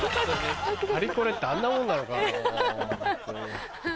パリコレってあんなもんなのかな？